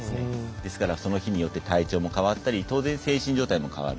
ですから、その日によって体調も変わったり精神状態も変わる。